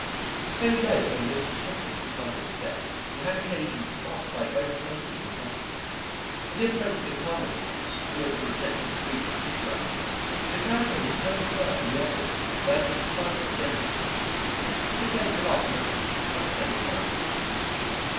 The same day upon which he took this decided step he had occasion to pass by both places in question. As he approached the apartment house in which the rejected suite was situated it occurred to him to tell the clerk in the office that he had decided against the rooms; he could take a last look at them at the same time.